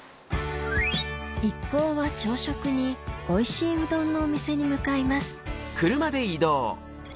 一行は朝食においしいうどんのお店に向かいます